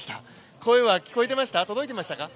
声は聞こえていました、届いていましたか？